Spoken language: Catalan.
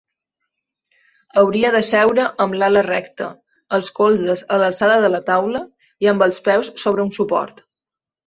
Hauria de seure amb l'ala recta, els colzes a l'alçada de la taula i amb els peus sobre un suport.